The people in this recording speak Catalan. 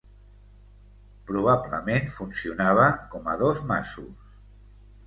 Probablement funcionava com a dos masos.